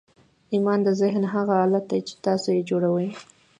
ایمان د ذهن هغه حالت دی چې تاسې یې جوړوئ